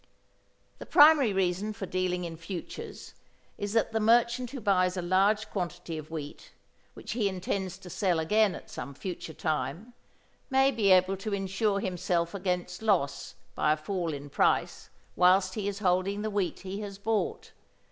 The primary reason for dealing in futures is that the merchant who buys a large quantity of wheat, which he intends to sell again at some future time, may be able to insure himself against loss by a fall in price whilst he is holding the wheat he has bought.